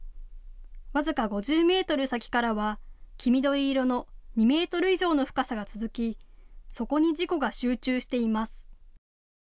僅か５０メートル先からは黄緑色の２メートル以上の深さが続き、そこに事故が集中しています。